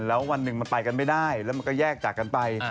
แล้ววันหนึ่งมันไปกันไม่ได้แล้วมันก็แยกจากกันไป